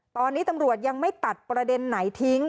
ตอนนี้ตำรวจยังไม่ตัดประเด็นไหนทิ้ง